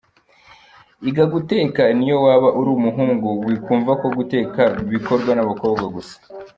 Iga guteka, niyo waba uri umuhungu wikumva ko guteka bikorwa n’abakobwa gusa.